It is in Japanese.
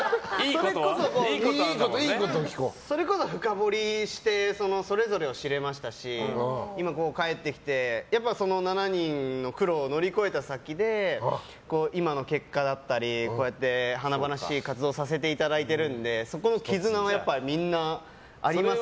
それこそ深掘りをしてそれぞれを知れましたし今、帰ってきて７人の苦労を乗り越えた先で今の結果だったりこうやって華々しい活動をさせていただいているのでそこの絆はみんな、ありますね。